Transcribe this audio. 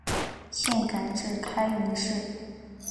现改置开原市。